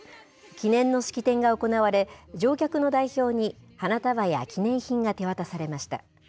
記念の式典が行われ、乗客の代表に花束や記念品が手渡されました。